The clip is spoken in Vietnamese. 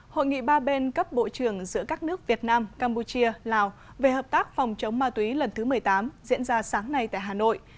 hội nghị ba bên cấp bộ trưởng giữa các nước việt nam campuchia lào về hợp tác phòng chống ma túy lần thứ một mươi tám diễn ra sáng nay tại hà nội